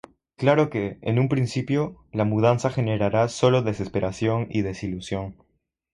Claro que, en un principio, la mudanza generará sólo desesperación y desilusión.